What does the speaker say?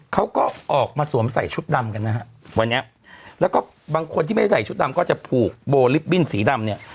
เขาก็ออกมาสวมใส่ชุดดำกันนะฮะวันนี้แล้วก็บางคนที่ไม่ได้ใส่ชุดดำก็จะผูกโบลิปบิ้นสีดำเนี่ย